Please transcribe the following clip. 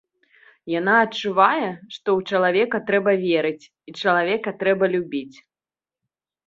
Яна адчувае, што ў чалавека трэба верыць і чалавека трэба любіць.